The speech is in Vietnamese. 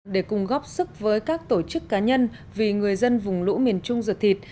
để cùng góp sức với các tổ chức cá nhân vì người dân vùng lũ miền trung ruột thịt